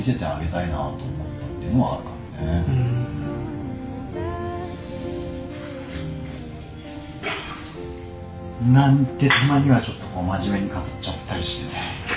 たまにはちょっと真面目に語っちゃったりしてね。